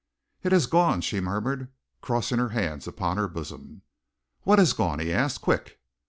"It has gone!" she murmured, crossing her hands upon her bosom. "What has gone?" he asked. "Quick!"